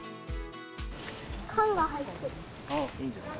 缶が入ってる。